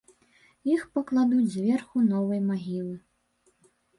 Іх пакладуць зверху новай магілы.